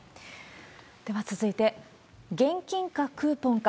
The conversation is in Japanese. では続いて、現金かクーポンか。